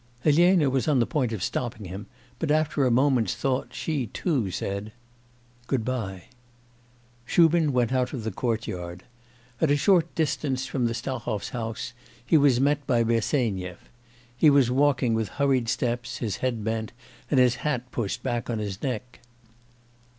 Elena was on the point of stopping him, but after a moment's thought she too said: 'Good bye.' Shubin went out of the courtyard. At a short distance from the Stahov's house he was met by Bersenyev. He was walking with hurried steps, his head bent and his hat pushed back on his neck.